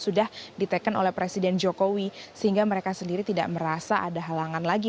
sudah diteken oleh presiden jokowi sehingga mereka sendiri tidak merasa ada halangan lagi